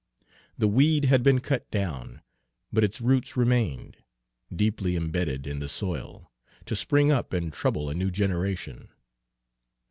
The weed had been cut down, but its roots remained, deeply imbedded in the soil, to spring up and trouble a new generation.